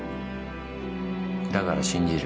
だから信じる。